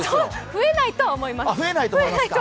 増えないとは思います。